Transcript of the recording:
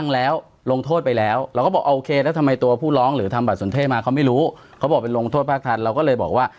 เขาก็ไม่หักหนูถามถามว่าหักอีกไหมเขาไม่หัก